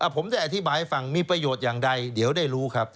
ผมได้อธิบายให้ฟังมีประโยชน์อย่างใดเดี๋ยวได้รู้ครับ